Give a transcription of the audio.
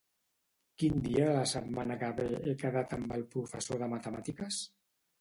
Quin dia de la setmana que ve he quedat amb el professor de matemàtiques?